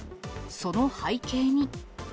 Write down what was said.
その背景に。